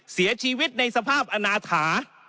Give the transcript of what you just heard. เสียชีวิตในสภาพอนาถา